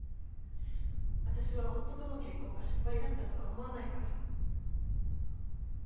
私は夫との結婚が失敗だったとは思わないから。